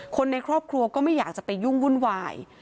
คนในครอบครัวก็ไม่อยากจะไปยุ่งวุ่นวาย